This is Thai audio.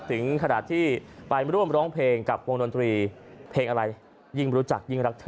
ถึงขนาดที่ไปร่วมร้องเพลงกับวงดนตรีเพลงอะไรยิ่งรู้จักยิ่งรักเธอ